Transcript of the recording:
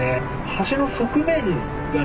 橋の側面がね